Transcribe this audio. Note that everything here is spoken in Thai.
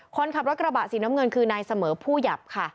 คนขับรถกระบะสีน้ำเงินคือนายเสมอผู้หยับค่ะ